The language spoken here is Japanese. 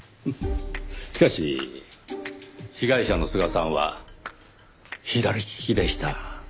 しかし被害者の須賀さんは左利きでした。